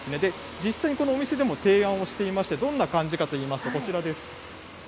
実際にこのお店でも提案をしていまして、どんな感じかといいますと、こちらです。